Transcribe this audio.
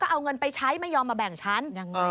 แล้วเธอก็เอาเงินไปใช้ไม่ยอมลำแบ่งฉัน